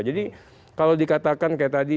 jadi kalau dikatakan kayak tadi